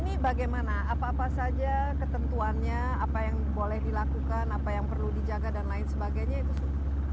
ini bagaimana apa apa saja ketentuannya apa yang boleh dilakukan apa yang perlu dijaga dan lain sebagainya itu